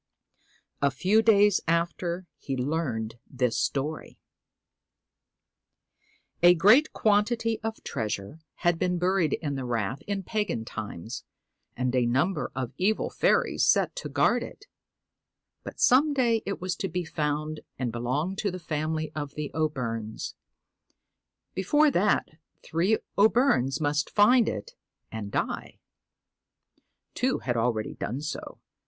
A few days after he learned this story : A great quantity of treasure had 145 l The been buried in the rath in pagan times, Celtic Twilight, and a number of evil faeries set to guard it ; but some day it was to be found and belong to the family of the O'Byrnes. Before that day three O'Byrnes must find it and die. Two had already done so.